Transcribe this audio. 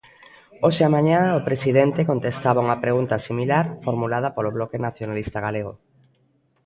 Hoxe á mañá o presidente contestaba unha pregunta similar formulada polo Bloque Nacionalista Galego.